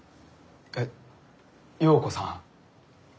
えっ耀子さん？